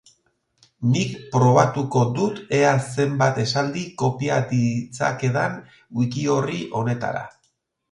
Nik probatuko dut ea zenbat esaldi kopia ditzakedan wiki-orri honetara.